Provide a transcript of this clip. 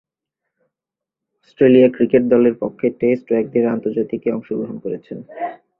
Australia cricket দলের পক্ষে test ও একদিনের আন্তর্জাতিকে অংশগ্রহণ করেছেন।